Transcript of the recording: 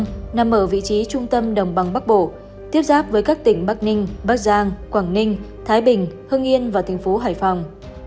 công an tỉnh hải dương nằm ở vị trí trung tâm đồng bằng bắc bộ tiếp giáp với các tỉnh bắc ninh bắc giang quảng ninh thái bình hưng yên và thành phố hải phòng